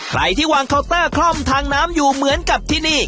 ใครที่วางเคาน์เตอร์คล่อมทางน้ำอยู่เหมือนกับที่นี่